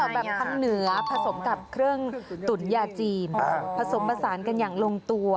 แบบทางเหนือผสมกับเครื่องตุ๋นยาจีนผสมผสานกันอย่างลงตัว